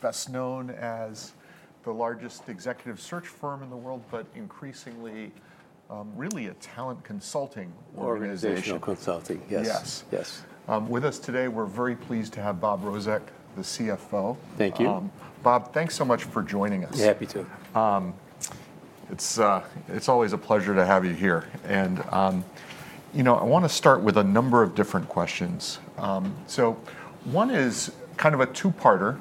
Best known as the largest executive search firm in the world, but increasingly really a talent consulting organization. Talent consulting, yes. Yes. With us today, we're very pleased to have Bob Rozek, the CFO. Thank you. Bob, thanks so much for joining us. Happy to. It's always a pleasure to have you here. I want to start with a number of different questions. One is kind of a two-parter.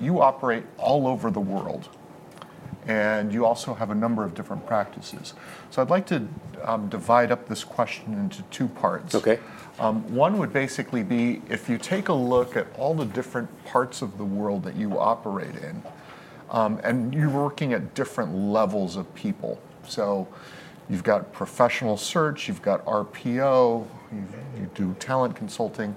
You operate all over the world, and you also have a number of different practices. I'd like to divide up this question into two parts. OK. One would basically be, if you take a look at all the different parts of the world that you operate in, and you're working at different levels of people. You have professional search, you have RPO, you do talent consulting.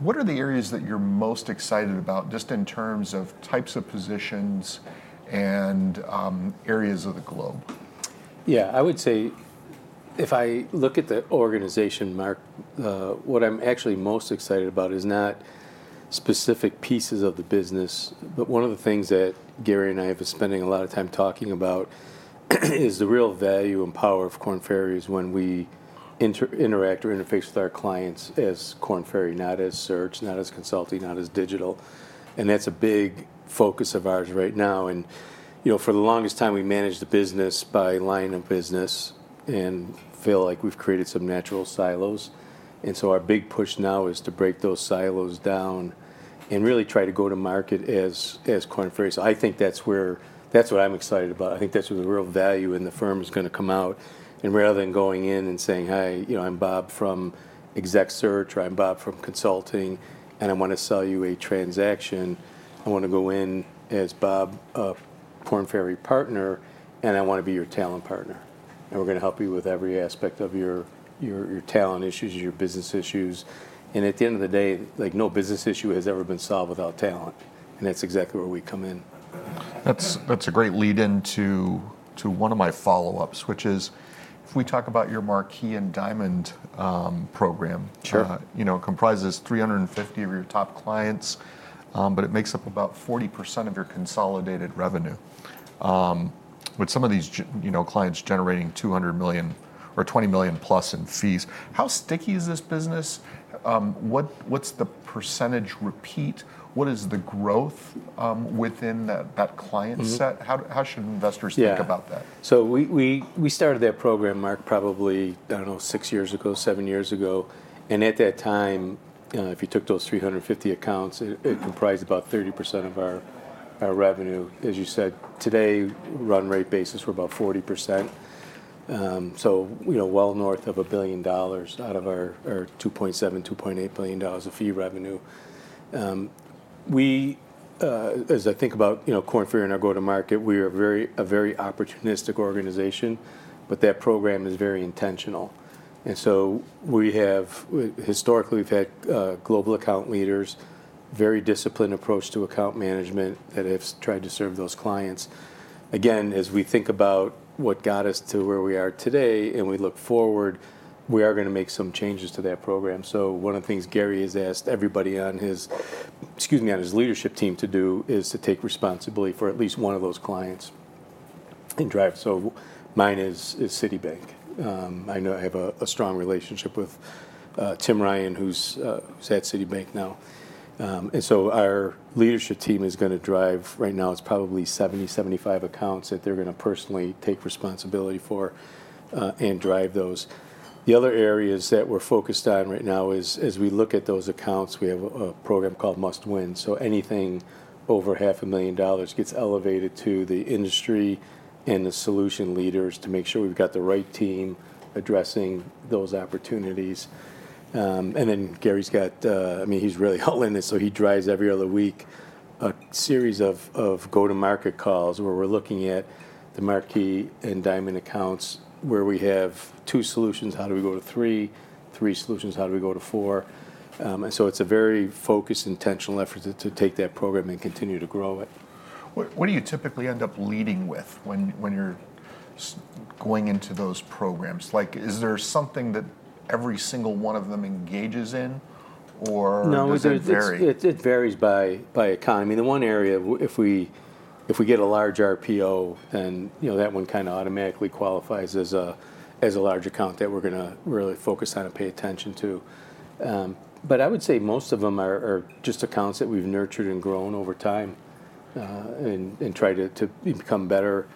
What are the areas that you're most excited about, just in terms of types of positions and areas of the globe? Yeah, I would say, if I look at the organization, Mark, what I'm actually most excited about is not specific pieces of the business, but one of the things that Gary and I have been spending a lot of time talking about is the real value and power of Korn Ferry is when we interact or interface with our clients as Korn Ferry, not as search, not as consulting, not as digital. That's a big focus of ours right now. For the longest time, we managed the business by line of business and feel like we've created some natural silos. Our big push now is to break those silos down and really try to go to market as Korn Ferry. I think that's what I'm excited about. I think that's where the real value in the firm is going to come out. Rather than going in and saying, "Hi, I'm Bob from exec search," or, "I'm Bob from consulting, and I want to sell you a transaction," I want to go in as Bob, a Korn Ferry partner, and I want to be your talent partner. We're going to help you with every aspect of your talent issues, your business issues. At the end of the day, no business issue has ever been solved without talent. That's exactly where we come in. That's a great lead-in to one of my follow-ups, which is, if we talk about your Marquee and Diamond Program. Sure. It comprises 350 of your top clients, but it makes up about 40% of your consolidated revenue, with some of these clients generating $200 million or $20 million-plus in fees. How sticky is this business? What's the percentage repeat? What is the growth within that client set? How should investors think about that? Yeah. We started that program, Mark, probably, I don't know, six years ago, seven years ago. At that time, if you took those 350 accounts, it comprised about 30% of our revenue. As you said, today, run rate basis, we're about 40%. So well north of $1 billion out of our $2.7 billion-$2.8 billion of fee revenue. As I think about Korn Ferry and our go-to-market, we are a very opportunistic organization, but that program is very intentional. We have, historically, we've had global account leaders, a very disciplined approach to account management that have tried to serve those clients. Again, as we think about what got us to where we are today and we look forward, we are going to make some changes to that program. One of the things Gary has asked everybody on his leadership team to do is to take responsibility for at least one of those clients and drive. Mine is Citibank. I have a strong relationship with Tim Ryan, who's at Citibank now. Our leadership team is going to drive, right now, it's probably 70-75 accounts that they're going to personally take responsibility for and drive those. The other areas that we're focused on right now is, as we look at those accounts, we have a program called Must Win. Anything over $500,000 gets elevated to the industry and the solution leaders to make sure we've got the right team addressing those opportunities. Gary's got, I mean, he's really all in it, so he drives every other week a series of go-to-market calls where we're looking at the Marquee and Diamond accounts, where we have two solutions, how do we go to three, three solutions, how do we go to four. It is a very focused, intentional effort to take that program and continue to grow it. What do you typically end up leading with when you're going into those programs? Is there something that every single one of them engages in, or is it very? No, it varies by economy. The one area, if we get a large RPO, then that one kind of automatically qualifies as a large account that we're going to really focus on and pay attention to. I would say most of them are just accounts that we've nurtured and grown over time and tried to become better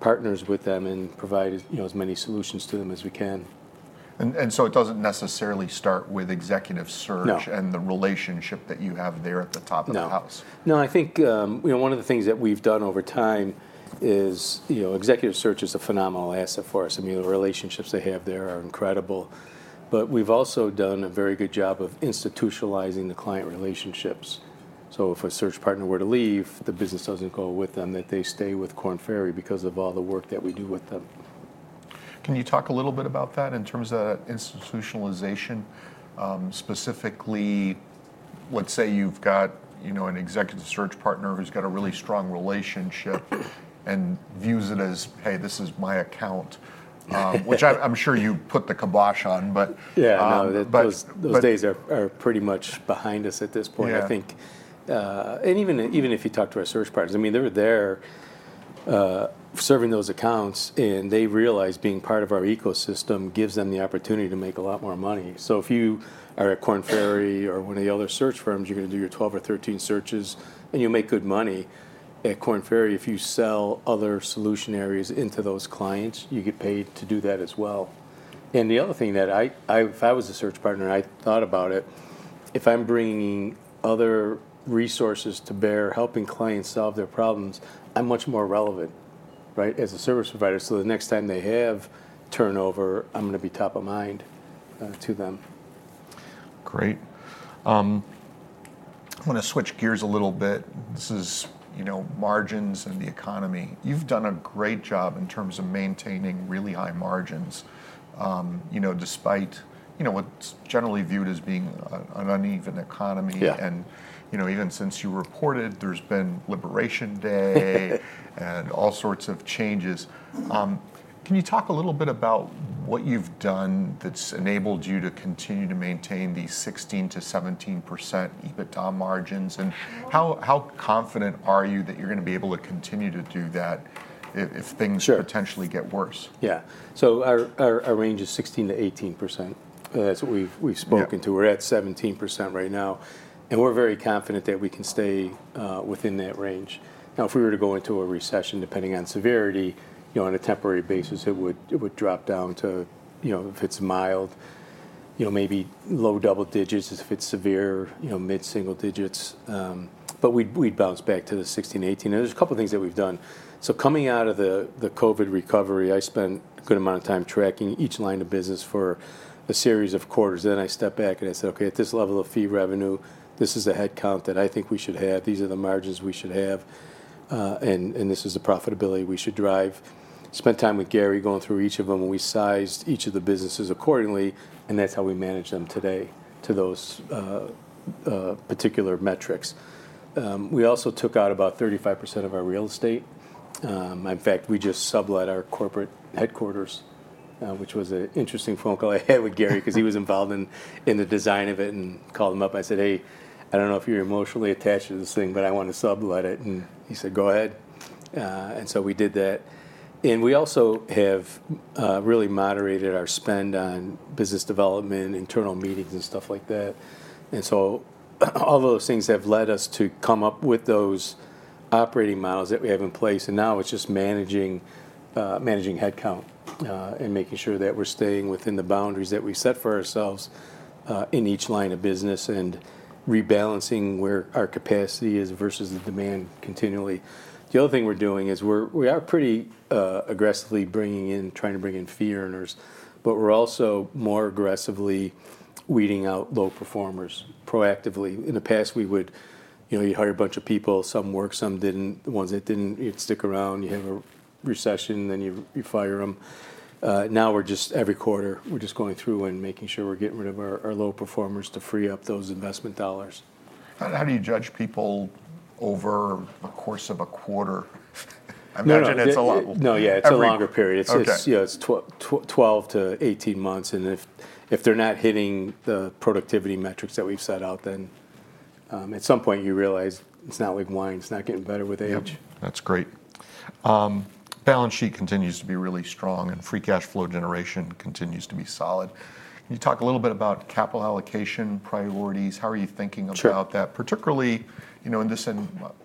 partners with them and provide as many solutions to them as we can. It doesn't necessarily start with executive search and the relationship that you have there at the top of the house. No. No, I think one of the things that we've done over time is executive search is a phenomenal asset for us. I mean, the relationships they have there are incredible. I mean, we've also done a very good job of institutionalizing the client relationships. So if a search partner were to leave, the business doesn't go with them, that they stay with Korn Ferry because of all the work that we do with them. Can you talk a little bit about that in terms of institutionalization? Specifically, let's say you've got an executive search partner who's got a really strong relationship and views it as, "Hey, this is my account," which I'm sure you put the kibosh on, but. Yeah, those days are pretty much behind us at this point, I think. Even if you talk to our search partners, I mean, they're there serving those accounts, and they realize being part of our ecosystem gives them the opportunity to make a lot more money. If you are at Korn Ferry or one of the other search firms, you're going to do your 12 or 13 searches, and you'll make good money. At Korn Ferry, if you sell other solution areas into those clients, you get paid to do that as well. The other thing that, if I was a search partner, I thought about it, if I'm bringing other resources to bear, helping clients solve their problems, I'm much more relevant as a service provider. The next time they have turnover, I'm going to be top of mind to them. Great. I want to switch gears a little bit. This is margins and the economy. You've done a great job in terms of maintaining really high margins despite what's generally viewed as being an uneven economy. Even since you reported, there's been Liberation Day and all sorts of changes. Can you talk a little bit about what you've done that's enabled you to continue to maintain these 16%-17% EBITDA margins? How confident are you that you're going to be able to continue to do that if things potentially get worse? Yeah. So our range is 16%-18%. That's what we've spoken to. We're at 17% right now. And we're very confident that we can stay within that range. Now, if we were to go into a recession, depending on severity, on a temporary basis, it would drop down to, if it's mild, maybe low double digits. If it's severe, mid-single digits. But we'd bounce back to the 16%-18%. And there's a couple of things that we've done. So coming out of the COVID recovery, I spent a good amount of time tracking each line of business for a series of quarters. Then I stepped back and I said, "OK, at this level of fee revenue, this is the headcount that I think we should have. These are the margins we should have. This is the profitability we should drive. Spent time with Gary going through each of them, and we sized each of the businesses accordingly. That is how we manage them today to those particular metrics. We also took out about 35% of our real estate. In fact, we just sublet our corporate headquarters, which was an interesting phone call I had with Gary because he was involved in the design of it. I called him up. I said, "Hey, I do not know if you are emotionally attached to this thing, but I want to sublet it." He said, "Go ahead." We did that. We also have really moderated our spend on business development, internal meetings, and stuff like that. All those things have led us to come up with those operating models that we have in place. It is just managing headcount and making sure that we're staying within the boundaries that we set for ourselves in each line of business and rebalancing where our capacity is versus the demand continually. The other thing we're doing is we are pretty aggressively bringing in, trying to bring in fee earners. We are also more aggressively weeding out low performers proactively. In the past, we would hire a bunch of people, some worked, some did not. The ones that did not, you would stick around. You have a recession, then you fire them. Now we're just, every quarter, we're just going through and making sure we're getting rid of our low performers to free up those investment dollars. How do you judge people over the course of a quarter? I imagine that's a long. No, yeah, it's a longer period. It's 12-18 months. And if they're not hitting the productivity metrics that we've set out, then at some point, you realize it's not like wine. It's not getting better with age. That's great. Balance sheet continues to be really strong, and free cash flow generation continues to be solid. Can you talk a little bit about capital allocation priorities? How are you thinking about that, particularly in this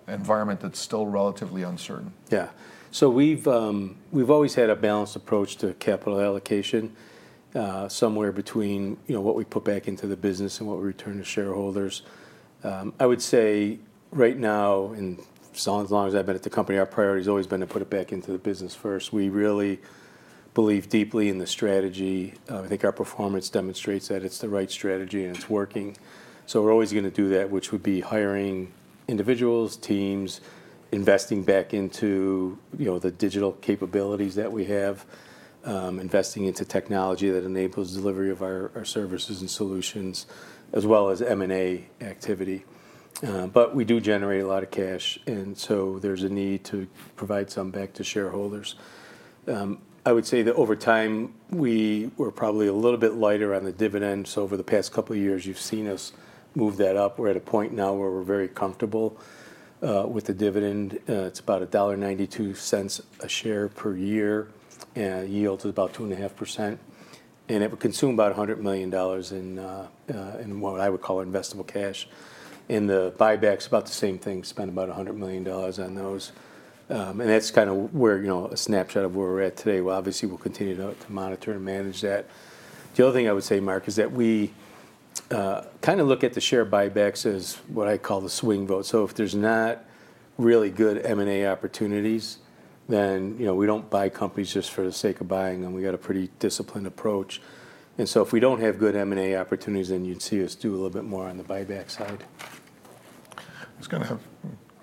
environment that's still relatively uncertain? Yeah. So we've always had a balanced approach to capital allocation, somewhere between what we put back into the business and what we return to shareholders. I would say, right now, and as long as I've been at the company, our priority has always been to put it back into the business first. We really believe deeply in the strategy. I think our performance demonstrates that it's the right strategy, and it's working. We're always going to do that, which would be hiring individuals, teams, investing back into the digital capabilities that we have, investing into technology that enables delivery of our services and solutions, as well as M&A activity. We do generate a lot of cash. There's a need to provide some back to shareholders. I would say that over time, we were probably a little bit lighter on the dividend. Over the past couple of years, you've seen us move that up. We're at a point now where we're very comfortable with the dividend. It's about $1.92 a share per year, and yields about 2.5%. It would consume about $100 million in what I would call investable cash. The buybacks, about the same thing, spend about $100 million on those. That's kind of a snapshot of where we're at today. Obviously, we'll continue to monitor and manage that. The other thing I would say, Mark, is that we kind of look at the share buybacks as what I call the swing vote. If there's not really good M&A opportunities, then we don't buy companies just for the sake of buying them. We've got a pretty disciplined approach. If we do not have good M&A opportunities, then you would see us do a little bit more on the buyback side. I was going to have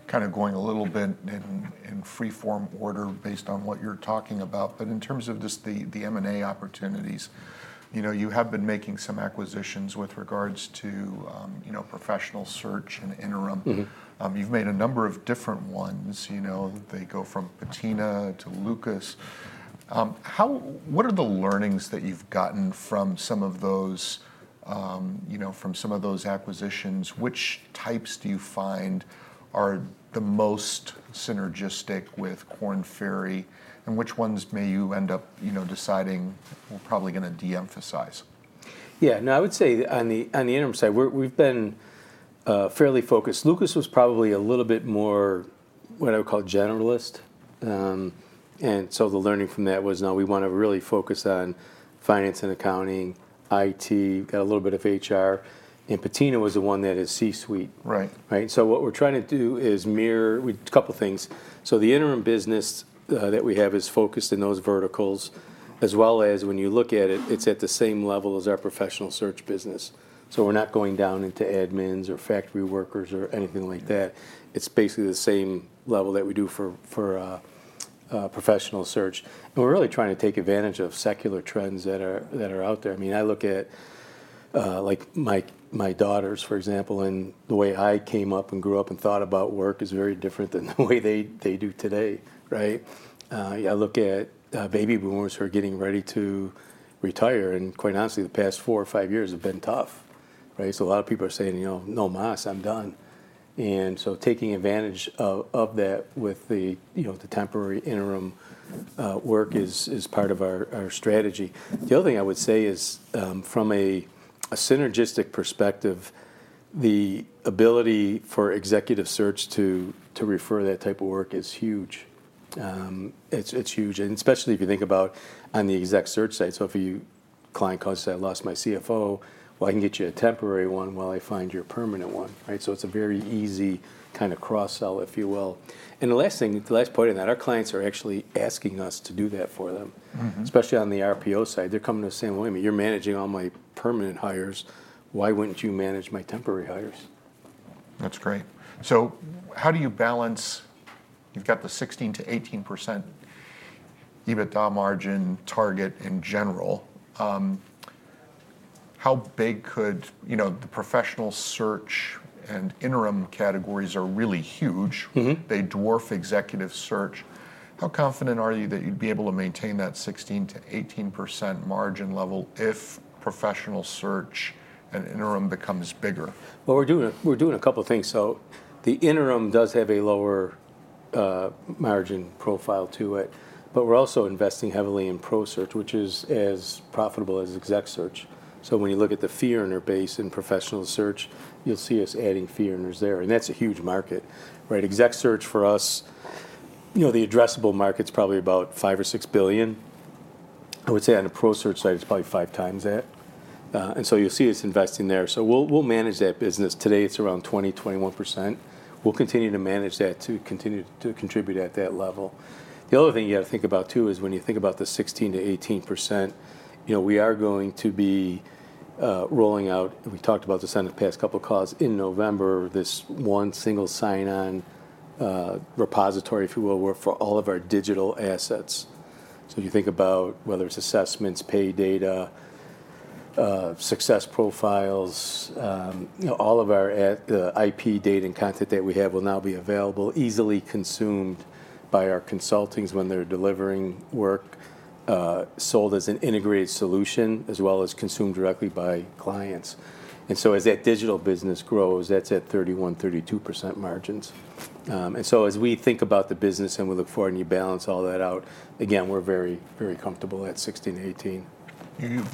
kind of going a little bit in free-form order based on what you're talking about. But in terms of just the M&A opportunities, you have been making some acquisitions with regards to professional search and interim. You've made a number of different ones. They go from Patina to Lucas. What are the learnings that you've gotten from some of those, from some of those acquisitions? Which types do you find are the most synergistic with Korn Ferry, and which ones may you end up deciding we're probably going to de-emphasize? Yeah. No, I would say on the interim side, we've been fairly focused. Lucas was probably a little bit more what I would call generalist. The learning from that was, no, we want to really focus on finance and accounting, IT, got a little bit of HR. Patina was the one that is C-suite. What we're trying to do is mirror a couple of things. The interim business that we have is focused in those verticals, as well as when you look at it, it's at the same level as our professional search business. We're not going down into admins or factory workers or anything like that. It's basically the same level that we do for professional search. We're really trying to take advantage of secular trends that are out there. I mean, I look at my daughters, for example, and the way I came up and grew up and thought about work is very different than the way they do today. I look at baby boomers who are getting ready to retire. Quite honestly, the past four or five years have been tough. A lot of people are saying, "No más. I'm done." Taking advantage of that with the temporary interim work is part of our strategy. The other thing I would say is, from a synergistic perspective, the ability for executive search to refer that type of work is huge. It's huge. Especially if you think about on the exec search side. If a client calls you and says, "I lost my CFO," I can get you a temporary one while I find your permanent one. It is a very easy kind of cross-sell, if you will. The last thing, the last point in that, our clients are actually asking us to do that for them, especially on the RPO side. They are coming to us saying, "Well, wait a minute, you are managing all my permanent hires. Why would you not manage my temporary hires? That's great. How do you balance? You've got the 16%-18% EBITDA margin target in general. How big could the professional search and interim categories are really huge. They dwarf executive search. How confident are you that you'd be able to maintain that 16%-18% margin level if professional search and interim becomes bigger? We're doing a couple of things. The interim does have a lower margin profile to it. We're also investing heavily in pro search, which is as profitable as exec search. When you look at the fee earner base in professional search, you'll see us adding fee earners there. That's a huge market. Exec search for us, the addressable market's probably about $5 billion or $6 billion. I would say on the pro search side, it's probably five times that. You'll see us investing there. We'll manage that business. Today, it's around 20%-21%. We'll continue to manage that to continue to contribute at that level. The other thing you've got to think about, too, is when you think about the 16%-18%, we are going to be rolling out, and we talked about this on the past couple of calls, in November, this one single sign-on repository, if you will, for all of our digital assets. If you think about whether it's assessments, pay data, success profiles, all of our IP data and content that we have will now be available, easily consumed by our consultants when they're delivering work, sold as an integrated solution, as well as consumed directly by clients. As that digital business grows, that's at 31%-32% margins. As we think about the business and we look forward and you balance all that out, again, we're very, very comfortable at 16%-18%.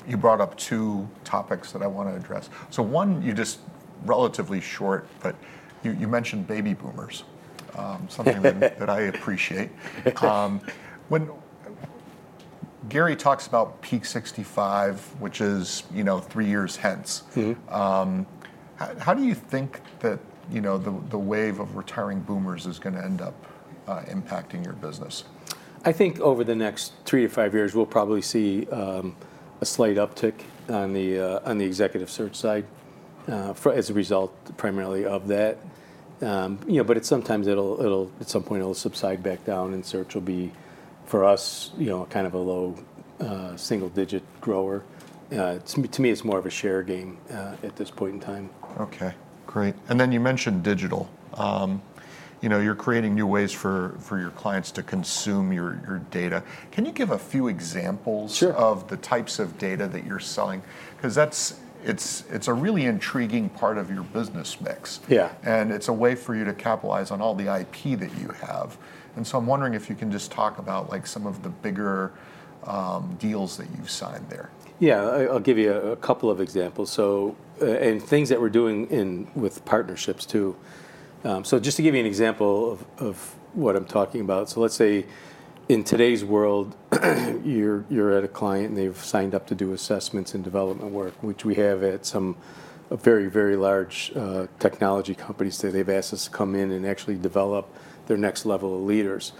You brought up two topics that I want to address. One, you just relatively short, but you mentioned baby boomers, something that I appreciate. When Gary talks about Peak 65, which is three years hence, how do you think that the wave of retiring boomers is going to end up impacting your business? I think over the next three to five years, we'll probably see a slight uptick on the executive search side as a result primarily of that. At some point, it'll subside back down, and search will be, for us, kind of a low single-digit grower. To me, it's more of a share game at this point in time. OK, great. You mentioned digital. You're creating new ways for your clients to consume your data. Can you give a few examples of the types of data that you're selling? It's a really intriguing part of your business mix. It's a way for you to capitalize on all the IP that you have. I'm wondering if you can just talk about some of the bigger deals that you've signed there. Yeah, I'll give you a couple of examples. And things that we're doing with partnerships, too. Just to give you an example of what I'm talking about, let's say in today's world, you're at a client, and they've signed up to do assessments and development work, which we have at some very, very large technology companies that have asked us to come in and actually develop their next level of leaders.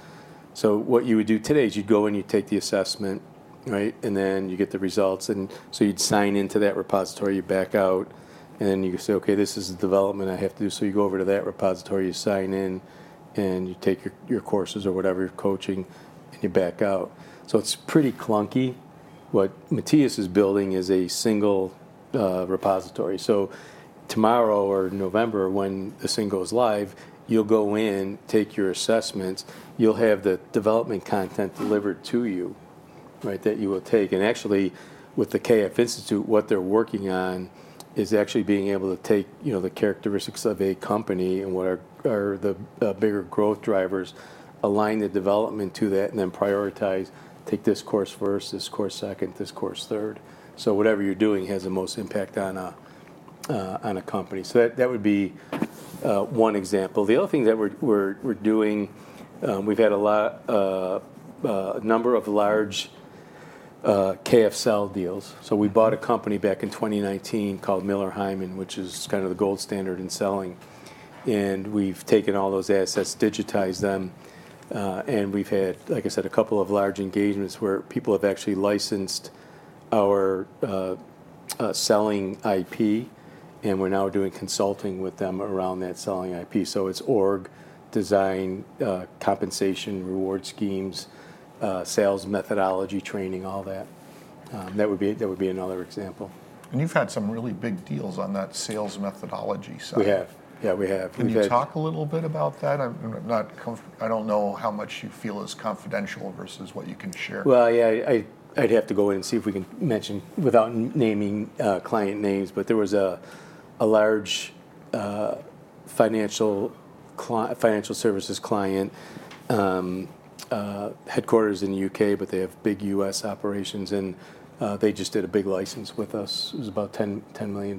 What you would do today is you'd go and you'd take the assessment, and then you get the results. You'd sign into that repository. You'd back out. Then you say, "OK, this is the development I have to do." You go over to that repository. You sign in, and you take your courses or whatever coaching, and you back out. It's pretty clunky. What Matias is building is a single repository. Tomorrow or November, when this thing goes live, you'll go in, take your assessments. You'll have the development content delivered to you that you will take. Actually, with the KF Institute, what they're working on is actually being able to take the characteristics of a company and what are the bigger growth drivers, align the development to that, and then prioritize, take this course first, this course second, this course third. Whatever you're doing has the most impact on a company. That would be one example. The other thing that we're doing, we've had a number of large KF Sell deals. We bought a company back in 2019 called Miller Heiman, which is kind of the gold standard in selling. We've taken all those assets, digitized them. We've had, like I said, a couple of large engagements where people have actually licensed our selling IP. We're now doing consulting with them around that selling IP. It's org design, compensation, reward schemes, sales methodology, training, all that. That would be another example. You've had some really big deals on that sales methodology side. We have. Yeah, we have. Can you talk a little bit about that? I don't know how much you feel is confidential versus what you can share. Yeah, I'd have to go in and see if we can mention without naming client names. There was a large financial services client headquartered in the U.K., but they have big US operations. They just did a big license with us. It was about a $10 million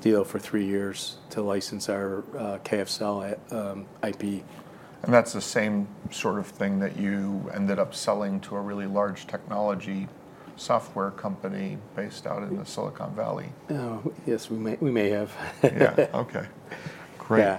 deal for three years to license our KF Sell IP. That's the same sort of thing that you ended up selling to a really large technology software company based out in the Silicon Valley? Yes, we may have. Yeah, OK, great.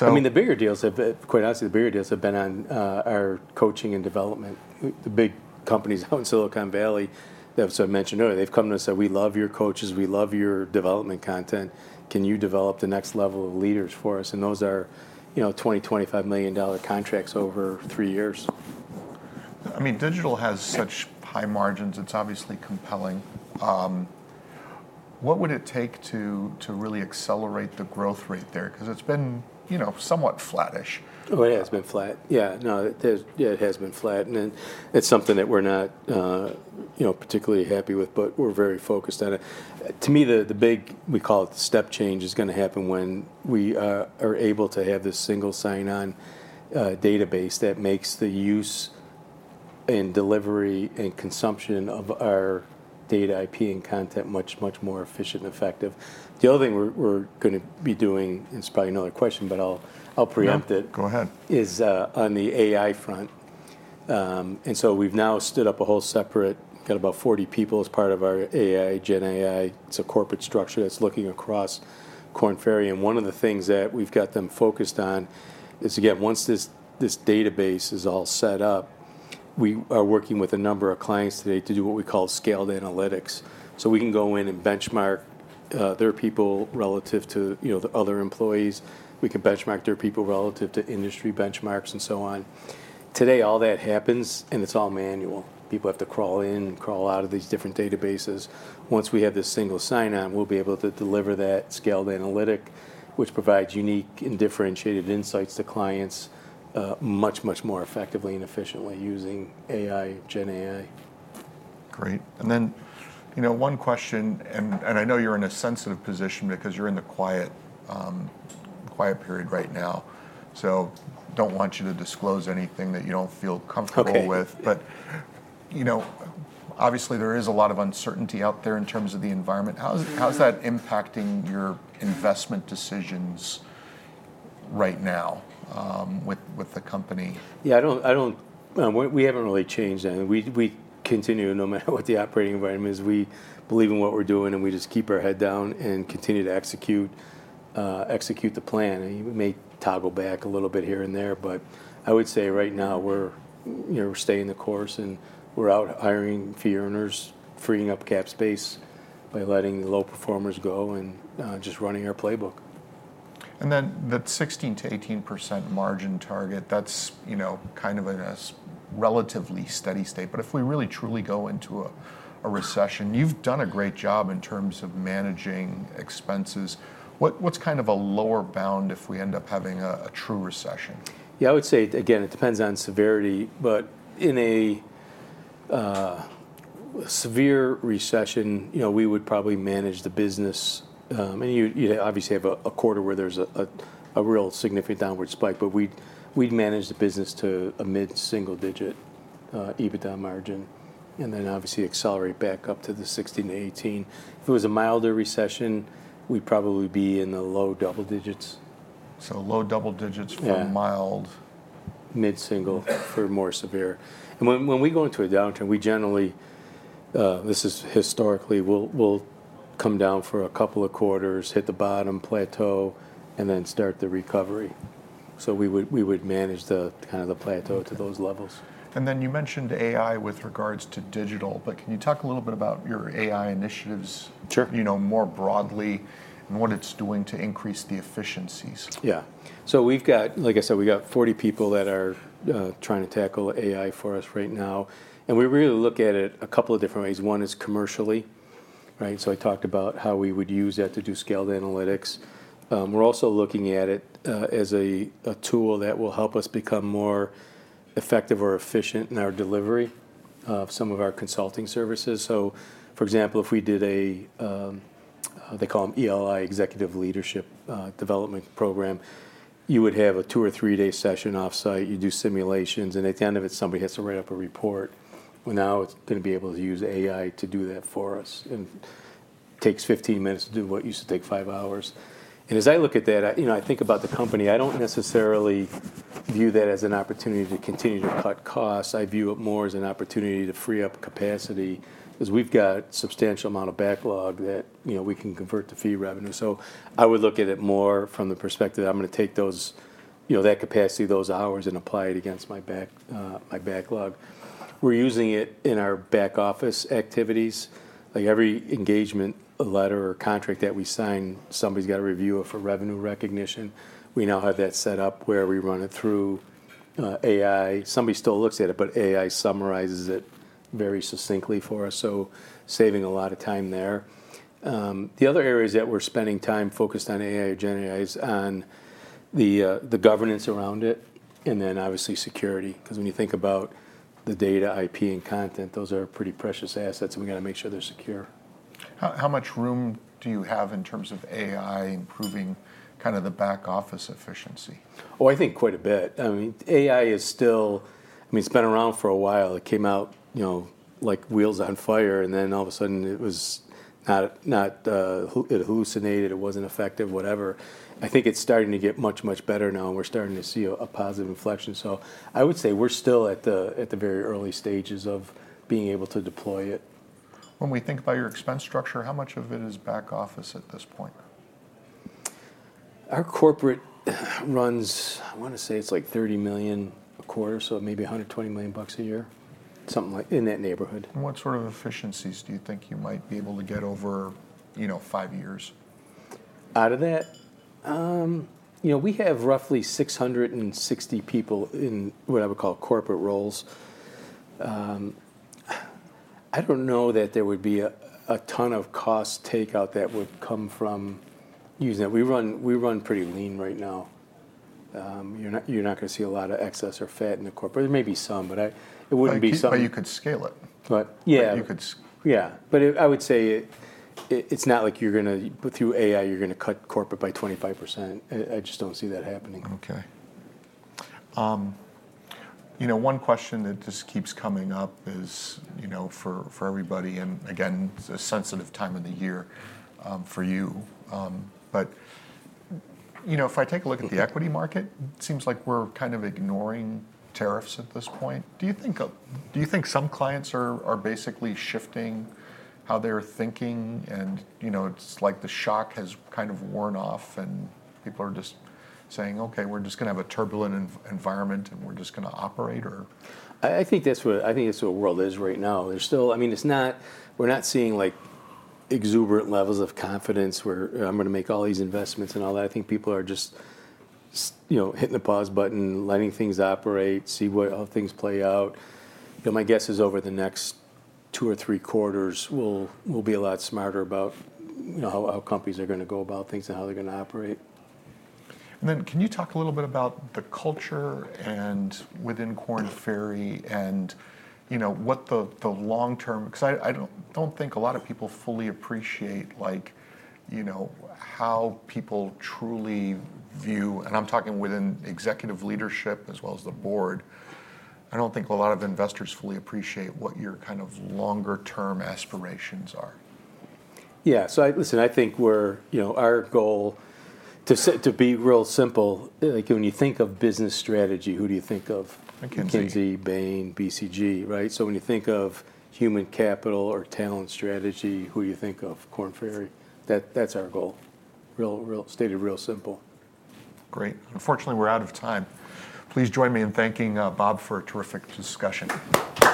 I mean, the bigger deals, quite honestly, the bigger deals have been on our coaching and development. The big companies out in Silicon Valley, as I mentioned earlier, they've come to us and said, "We love your coaches. We love your development content. Can you develop the next level of leaders for us?" Those are $20 million-$25 million contracts over three years. I mean, digital has such high margins. It's obviously compelling. What would it take to really accelerate the growth rate there? Because it's been somewhat flattish. Oh, yeah, it's been flat. Yeah, no, it has been flat. It's something that we're not particularly happy with, but we're very focused on it. To me, the big, we call it the step change, is going to happen when we are able to have this single sign-on database that makes the use and delivery and consumption of our data IP and content much, much more efficient and effective. The other thing we're going to be doing, and it's probably another question, but I'll preempt it. Yeah, go ahead. Is on the AI front. We have now stood up a whole separate, got about 40 people as part of our AI, GenAI. It is a corporate structure that is looking across Korn Ferry. One of the things that we have got them focused on is, again, once this database is all set up, we are working with a number of clients today to do what we call scaled analytics. We can go in and benchmark their people relative to the other employees. We can benchmark their people relative to industry benchmarks and so on. Today, all that happens, and it is all manual. People have to crawl in and crawl out of these different databases. Once we have this single sign-on, we will be able to deliver that scaled analytic, which provides unique and differentiated insights to clients much, much more effectively and efficiently using AI, GenAI. Great. One question, and I know you're in a sensitive position because you're in the quiet period right now. I do not want you to disclose anything that you do not feel comfortable with. Obviously, there is a lot of uncertainty out there in terms of the environment. How is that impacting your investment decisions right now with the company? Yeah, we haven't really changed that. We continue no matter what the operating environment is. We believe in what we're doing, and we just keep our head down and continue to execute the plan. We may toggle back a little bit here and there. I would say right now, we're staying the course. We're out hiring fee earners, freeing up cap space by letting the low performers go and just running our playbook. That 16%-18% margin target, that's kind of in a relatively steady state. If we really, truly go into a recession, you've done a great job in terms of managing expenses. What's kind of a lower bound if we end up having a true recession? Yeah, I would say, again, it depends on severity. In a severe recession, we would probably manage the business. You obviously have a quarter where there's a real significant downward spike. We would manage the business to a mid-single-digit EBITDA margin. Obviously, accelerate back up to the 16%-18%. If it was a milder recession, we'd probably be in the low double digits. Low double digits for mild. Mid-single for more severe. When we go into a downturn, we generally, this is historically, will come down for a couple of quarters, hit the bottom plateau, and then start the recovery. We would manage the kind of plateau to those levels. You mentioned AI with regards to digital. Can you talk a little bit about your AI initiatives more broadly and what it's doing to increase the efficiencies? Yeah. Like I said, we've got 40 people that are trying to tackle AI for us right now. We really look at it a couple of different ways. One is commercially. I talked about how we would use that to do scaled analytics. We're also looking at it as a tool that will help us become more effective or efficient in our delivery of some of our consulting services. For example, if we did a, they call them ELI, executive leadership development program, you would have a two or three-day session offsite. You do simulations. At the end of it, somebody has to write up a report. Now it's going to be able to use AI to do that for us. It takes 15 minutes to do what used to take five hours. As I look at that, I think about the company. I do not necessarily view that as an opportunity to continue to cut costs. I view it more as an opportunity to free up capacity because we have got a substantial amount of backlog that we can convert to fee revenue. I would look at it more from the perspective that I am going to take that capacity, those hours, and apply it against my backlog. We are using it in our back office activities. Every engagement letter or contract that we sign, somebody has got to review it for revenue recognition. We now have that set up where we run it through AI. Somebody still looks at it, but AI summarizes it very succinctly for us. Saving a lot of time there. The other areas that we're spending time focused on AI or GenAI is on the governance around it and then obviously security. Because when you think about the data IP and content, those are pretty precious assets. We've got to make sure they're secure. How much room do you have in terms of AI improving kind of the back office efficiency? Oh, I think quite a bit. I mean, AI is still, I mean, it's been around for a while. It came out like wheels on fire. And then all of a sudden, it hallucinated. It wasn't effective, whatever. I think it's starting to get much, much better now. And we're starting to see a positive inflection. So I would say we're still at the very early stages of being able to deploy it. When we think about your expense structure, how much of it is back office at this point? Our corporate runs, I want to say it's like $30 million a quarter, so maybe $120 million a year, something like in that neighborhood. What sort of efficiencies do you think you might be able to get over five years? Out of that? We have roughly 660 people in what I would call corporate roles. I don't know that there would be a ton of cost takeout that would come from using that. We run pretty lean right now. You're not going to see a lot of excess or fat in the corporate. There may be some, but it wouldn't be something. You could scale it. Yeah, but I would say it's not like you're going to, through AI, you're going to cut corporate by 25%. I just don't see that happening. OK. One question that just keeps coming up is for everybody, and again, it's a sensitive time of the year for you. If I take a look at the equity market, it seems like we're kind of ignoring tariffs at this point. Do you think some clients are basically shifting how they're thinking? It's like the shock has kind of worn off. People are just saying, "OK, we're just going to have a turbulent environment, and we're just going to operate," or? I think that's what the world is right now. I mean, we're not seeing exuberant levels of confidence where I'm going to make all these investments and all that. I think people are just hitting the pause button, letting things operate, see how things play out. My guess is over the next two or three quarters, we'll be a lot smarter about how companies are going to go about things and how they're going to operate. Can you talk a little bit about the culture within Korn Ferry and what the long-term? Because I don't think a lot of people fully appreciate how people truly view, and I'm talking within executive leadership as well as the board. I don't think a lot of investors fully appreciate what your kind of longer-term aspirations are. Yeah. So listen, I think our goal, to be real simple, when you think of business strategy, who do you think of? McKinsey. McKinsey, Bain, BCG, right? So when you think of human capital or talent strategy, who do you think of? Korn Ferry. That's our goal, stated real simple. Great. Unfortunately, we're out of time. Please join me in thanking Bob for a terrific discussion. Thanks.